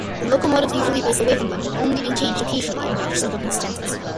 The locomotives usually face away from London, only being changed occasionally in rare circumstances.